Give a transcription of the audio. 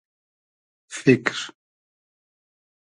فیکر